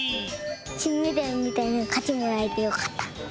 きんメダルみたいなかちもらえてよかった。